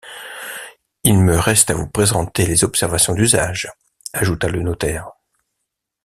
Il me reste à vous présenter les observations d’usage, ajouta le notaire.